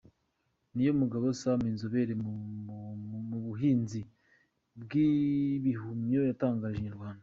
Niyomugabo Sam, inzobere mu buhinzi bw’ibihumyo yatangarije inyarwanda.